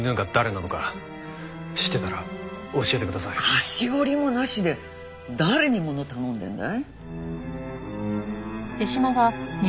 菓子折りもなしで誰にもの頼んでるんだい？